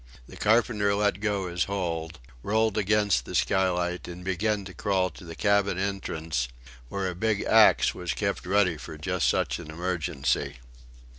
The carpenter let go his hold, rolled against the skylight, and began to crawl to the cabin entrance, where a big axe was kept ready for just such an emergency.